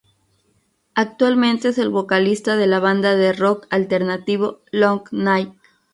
Actualmente es el vocalista de la banda de rock alternativo Long Night.